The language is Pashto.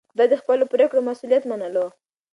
ده د خپلو پرېکړو مسووليت منلو.